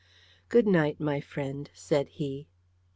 "Good night, my friend," said he.